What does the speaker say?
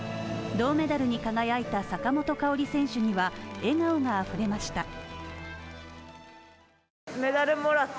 銅メダルに輝いた坂本花織選手には笑顔があふれました。